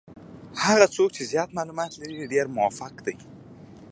هغه څوک چې زیات معلومات لري ډېر موفق دي.